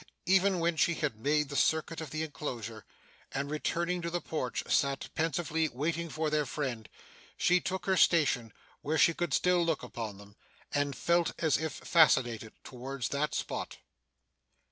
Even when she had made the circuit of the enclosure, and, returning to the porch, sat pensively waiting for their friend, she took her station where she could still look upon them, and felt as if fascinated towards that spot.